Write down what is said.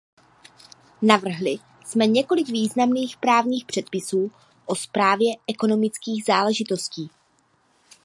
Navrhli jsme několik významných právních předpisů o správě ekonomických záležitostí.